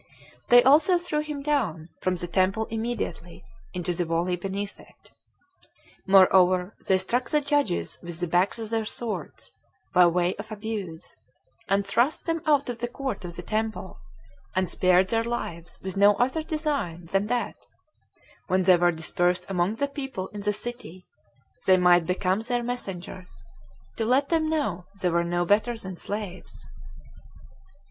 They also threw him down from the temple immediately into the valley beneath it. Moreover, they struck the judges with the backs of their swords, by way of abuse, and thrust them out of the court of the temple, and spared their lives with no other design than that, when they were dispersed among the people in the city, they might become their messengers, to let them know they were no better than slaves.